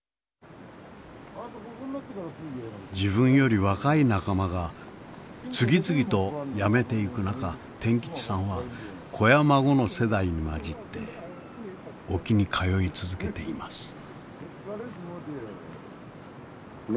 自分より若い仲間が次々とやめていく中天吉さんは子や孫の世代に交じって沖に通い続けています。